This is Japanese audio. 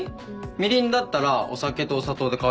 みりんだったらお酒とお砂糖で代わりになるよ。